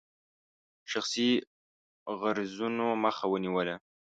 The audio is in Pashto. شخصي غرضونو مخه ونیوله.